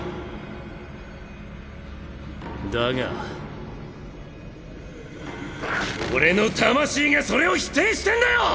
だが俺の魂がそれを否定してんだよ！